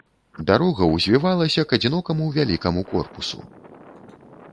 Дарога ўзвівалася к адзінокаму вялікаму корпусу.